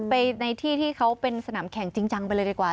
ไปในที่ที่เขาเป็นสนามแข่งจริงจังไปเลยดีกว่า